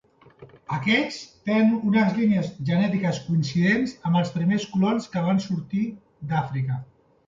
Aquests tenen unes línies genètiques coincidents amb els primers colons que van sortir d'Àfrica.